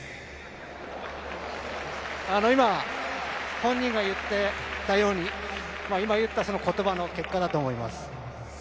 本人が言っていたようにその言葉の結果だと思います。